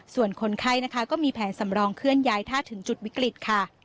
ส่วนคนไข้นะคะก็มีแผนสำรองเคลื่อนย้ายถ้าถึงจุดวิกฤตค่ะ